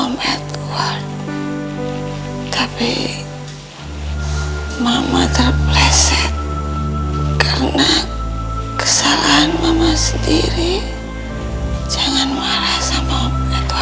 mimu telah menyebabkan siang mika telah pulang dari a dua tu